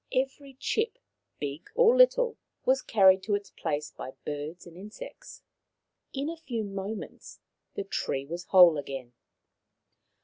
Every chip, big or little, was carried to its place by birds and insects. In a few moments the tree was whole again.